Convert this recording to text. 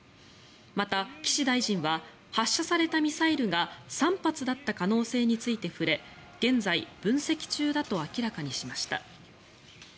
また、岸大臣は発射されたミサイルが３発だった可能性について触れ現在分析中だと明らかにしました。